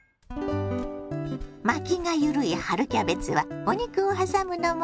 巻きが緩い春キャベツはお肉をはさむのも簡単。